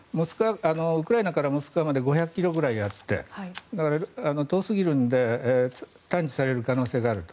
ウクライナからモスクワまで５００ｋｍぐらいあって遠すぎるので探知される可能性があると。